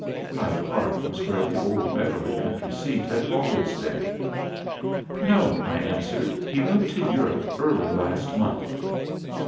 Hyde Park was where the old Beverly country seat had always been." "'No,' I answered. 'He went to Europe early last month.